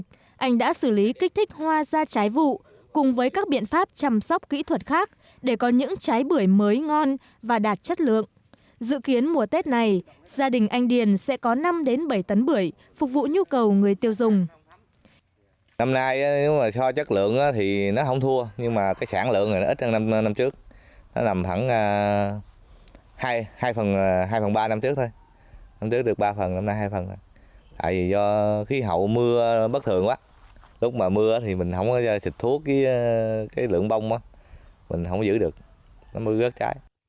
tại vì do khí hậu mưa bất thường quá lúc mà mưa thì mình không có trịch thuốc cái lượng bông á mình không giữ được nó mới rớt trái